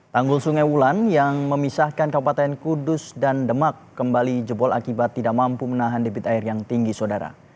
tanggul sungai wulan yang memisahkan kabupaten kudus dan demak kembali jebol akibat tidak mampu menahan debit air yang tinggi saudara